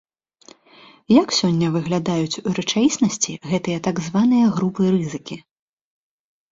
Як сёння выглядаюць у рэчаіснасці гэтыя так званыя групы рызыкі?